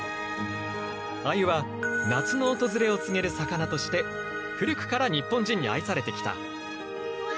アユは夏の訪れを告げる魚として古くから日本人に愛されてきた。